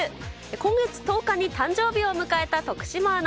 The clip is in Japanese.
今月１０日に誕生日を迎えた徳島アナ。